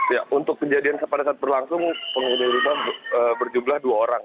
ya untuk kejadian pada saat berlangsung penghuni rumah berjumlah dua orang